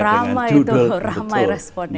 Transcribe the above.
dengan judul betul